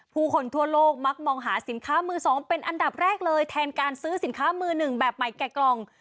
ผู้คนทั่วโลกมักมองหาสินค้ามือสองเป็นอันดับแรกเลยแทนการซื้อสินค้ามือหนึ่งแบบใหม่แก่กล่อง